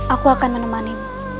aku akan menemani